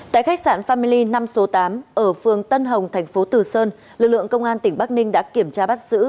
tại khách sạn fami năm số tám ở phường tân hồng thành phố từ sơn lực lượng công an tỉnh bắc ninh đã kiểm tra bắt giữ